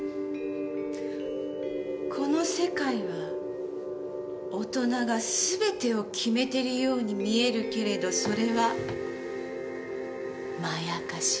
この世界は大人が全てを決めてるように見えるけれどそれはまやかしよ。